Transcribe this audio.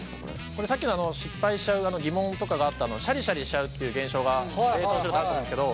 これさっきの失敗しちゃう疑問とかがあったシャリシャリしちゃうっていう現象が冷凍するとあると思うんですけど